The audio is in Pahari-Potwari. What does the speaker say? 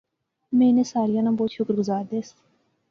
میں انیں ساریاں نا بہوں شکر گزار دیس